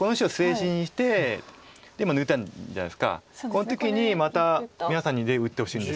この時にまた皆さんにぜひ打ってほしいんですけど。